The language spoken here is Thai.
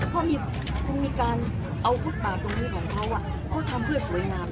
เพราะมันมีการเอาฟุตบาทตรงนี้ของเขาเขาทำเพื่อสวยงาม